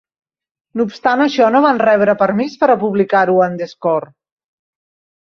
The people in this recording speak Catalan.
No obstant això, no van rebre permís per a publicar-ho en "The Score".